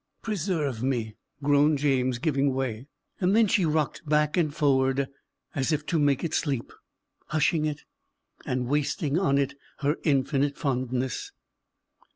"Preserve me!" groaned James, giving way. And then she rocked back and forward, as if to make it sleep, hushing it, and wasting on it her infinite fondness.